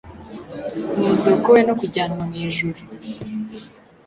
umuzuko we no kujyanwa mu ijuru,